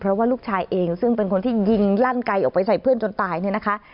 เพราะว่าลูกชายเองซึ่งเป็นคนที่ยิงลั่นไกลออกไปใส่เพื่อนจนตายเนี่ยนะคะ